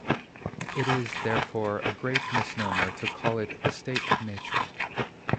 It is, therefore, a great misnomer to call it the state of nature.